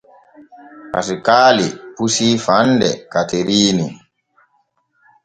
Pasikaali pusii fande Kateriini.